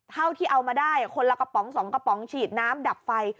เท่าที่เอามาได้คนละกระป๋อง๒กระป๋องฉีดน้ำดับไฟ